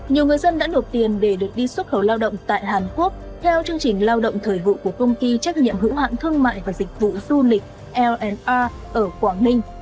nhiều người dân đã nộp tiền để được đi xuất khẩu lao động tại hàn quốc theo chương trình lao động thời vụ của công ty trách nhiệm hữu hạn thương mại và dịch vụ du lịch lna ở quảng ninh